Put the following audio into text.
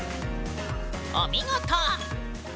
お見事！